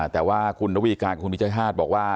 แต่ว่าคุณระวีการ์ดกับคุณวิจัยฮาสบอกว่า